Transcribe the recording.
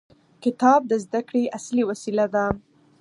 کتاب د زده کړې اصلي وسیله ده.